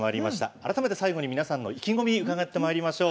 改めて最後に皆さんの意気込み伺ってまいりましょう。